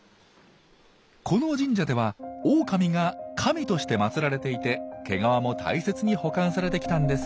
この神社ではオオカミが神として祭られていて毛皮も大切に保管されてきたんです。